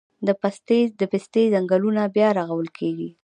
د پستې ځنګلونه بیا رغول کیږي